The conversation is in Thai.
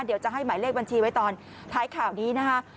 เดี๋ยวจะให้หมายเลขบัญชีไว้ตอนท้ายข่าวนี้นะคะ